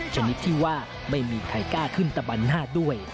ชนิดที่ว่าไม่มีใครกล้าขึ้นตะบันหน้าด้วย